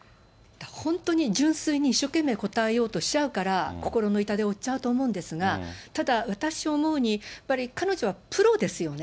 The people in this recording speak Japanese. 本当に純粋に一生懸命答えようとしちゃうから、心の痛手をおっちゃうと思うんですが、ただ私思うに、やっぱり彼女はプロですよね。